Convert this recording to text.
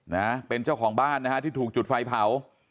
นะเป็นเจ้าของบ้านนะฮะที่ถูกจุดไฟเผา